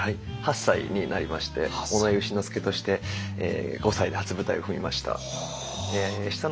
８歳になりまして尾上丑之助として５歳で初舞台を踏みました。